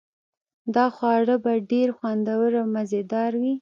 دا خواړه به ډیر خوندور او مزه دار وي